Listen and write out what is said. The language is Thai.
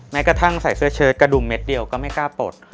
แม้กระทั่งใส่เสื้อเชิดกระดุมเม็ดเดียวก็ไม่กล้าปลด